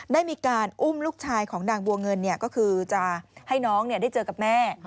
ได้มีการอุ้มลูกชายของนางบัวเงินก็คือจะให้น้องได้เจอกับแม่